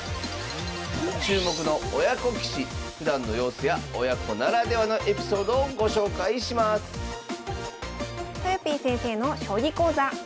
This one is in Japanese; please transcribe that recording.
注目の親子棋士ふだんの様子や親子ならではのエピソードをご紹介しますとよぴー先生の将棋講座。